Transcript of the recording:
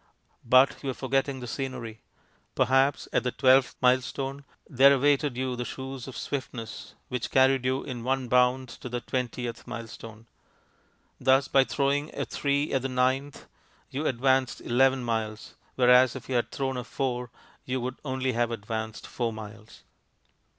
But you are forgetting the scenery. Perhaps at the twelfth milestone there awaited you the shoes of swiftness, which carried you in one bound to the twentieth milestone; thus by throwing a three at the ninth, you advanced eleven miles, whereas if you had thrown a four you would only have advanced four miles.